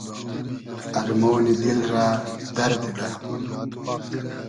ارمۉنی دیل رۂ دئر دیدۂ